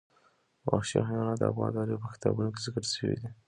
وحشي حیوانات د افغان تاریخ په کتابونو کې ذکر شوي دي.